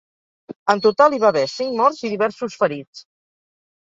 En total, hi va haver cinc morts i diversos ferits.